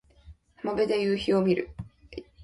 浜辺で夕陽を見る